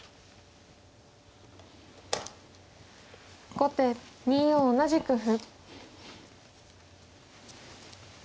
後手２四同じく歩。